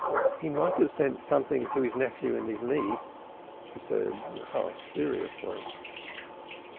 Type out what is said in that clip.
"He might have sent something to his nephew and his niece," she said half seriously.